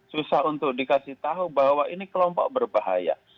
susah untuk dikasih tahu bahwa ini kelompok berbahaya